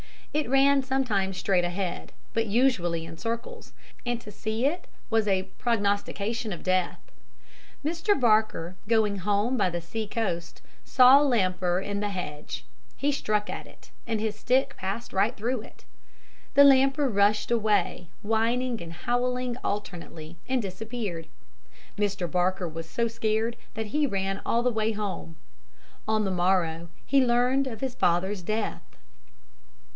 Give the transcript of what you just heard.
It ran sometimes straight ahead, but usually in circles, and to see it was a prognostication of death. Mr. Barker, going home by the sea coast, saw the Lamper in the hedge. He struck at it, and his stick passed right through it. The Lamper rushed away, whining and howling alternately, and disappeared. Mr. Barker was so scared that he ran all the way home. On the morrow, he learned of his father's death.